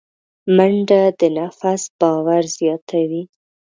منډه د نفس باور زیاتوي